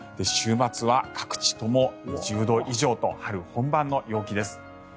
週末は各地とも２０度以上と春本番の陽気です。